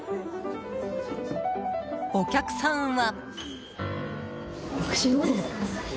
お客さんは。